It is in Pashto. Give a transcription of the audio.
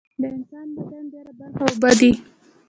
د انسان بدن ډیره برخه اوبه دي